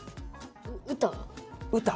歌？